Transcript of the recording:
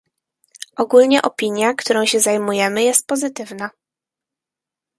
Ogólnie opinia, którą się zajmujemy, jest pozytywna